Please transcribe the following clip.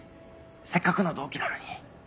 せっかくの同期なのに。